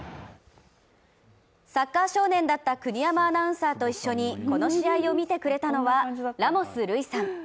サッカー少年だった国山アナウンサーと一緒にこの試合を見てくれたのはラモス瑠偉さん。